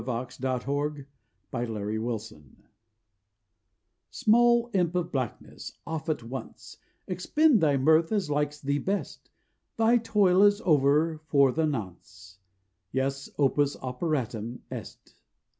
TO THE PRINTER'S DEVIL Small imp of blackness, off at once, Expend thy mirth as likes thee best: Thy toil is over for the nonce; Yes, "opus operatum est."